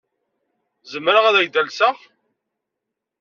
Zemreɣ ad ak-d-alseɣ?